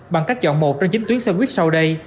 bằng cách chọn một trong chín tuyến xe buýt sau đây